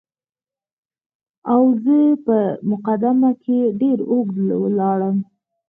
او زه په مقدمه کې ډېر اوږد ولاړم.